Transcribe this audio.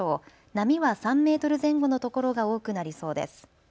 波は３メートル前後の所が多くなりそうです。